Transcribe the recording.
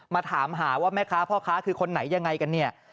มาถามหาว่าแม่ค้าพ่อค้าคือคนไหนยังไงกันเนี่ย